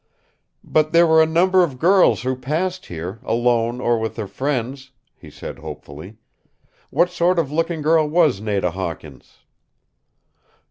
"But there were a number of girls who passed here, alone or with their friends," he said hopefully. "What sort of looking girl was Nada Hawkins?"